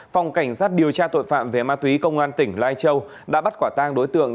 phòng cảnh sát điều tra tội phạm về ma túy công an tỉnh lai châu đã bắt quả tang đối tượng